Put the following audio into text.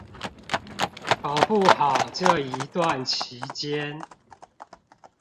搞不好這一段期間